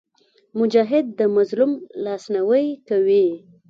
مجاهد د مظلوم لاسنیوی کوي.